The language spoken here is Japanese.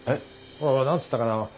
ほら何つったかな